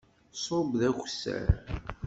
Ṣub d akessar.